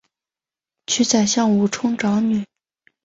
娶宰相吴充长女。